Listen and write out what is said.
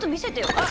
あっ。